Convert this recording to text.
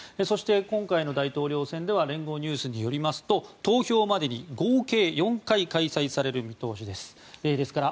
そして今回の大統領選では連合ニュースによりますと投票までに合計４回開催される見通しです。